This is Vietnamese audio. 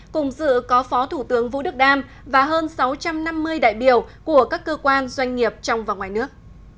cùng dự có phó thủ tướng vũ đức đam và hơn sáu trăm năm mươi đại biểu của các cơ quan doanh nghiệp trong và ngoài nước